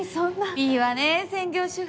いいわね専業主婦。